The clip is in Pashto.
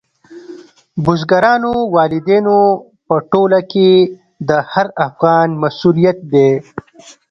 بزګرانو، والدینو په ټوله کې د هر افغان مسؤلیت دی.